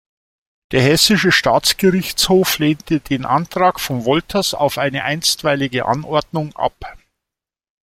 Der hessische Staatsgerichtshof lehnte den Antrag von Wolters auf eine einstweilige Anordnung ab.